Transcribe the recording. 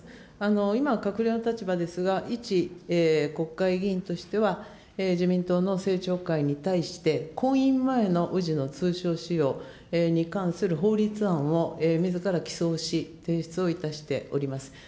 今、閣僚の立場ですが、一国会議員としては、自民党の政調会に対して、婚姻前の氏の通称使用に関する法律案をみずから起草し、提出をいたしております。